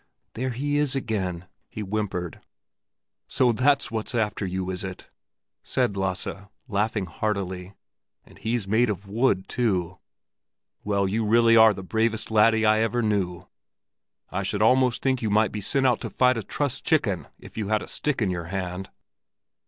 "There he is again," he whimpered. "So that's what was after you, is it?" said Lasse, laughing heartily; "and he's made of wood, too! Well, you really are the bravest laddie I ever knew! I should almost think you might be sent out to fight a trussed chicken, if you had a stick in your hand!"